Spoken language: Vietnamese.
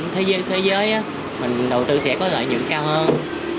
thế giới mình đầu tư sẽ có lợi nhuận cao hơn